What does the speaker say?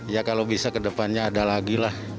ya kalau bisa ke depannya ada lagi lah